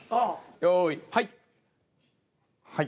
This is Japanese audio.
用意はい。